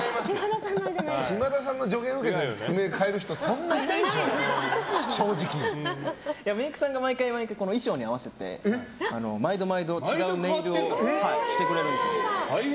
島田さんの助言を受けて爪を変える人メイクさんが毎回、衣装に合わせて毎度毎度、違うネイルをしてくれるんですよ。